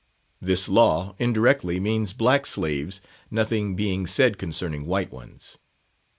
This law, indirectly, means black slaves, nothing being said concerning white ones.